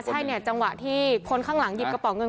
ใช่เนี่ยจังหวะที่คนข้างหลังหยิบกระเป๋าเงิน